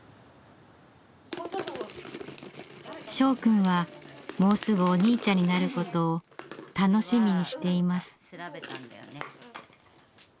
従くんはもうすぐお兄ちゃんになることを楽しみにしています。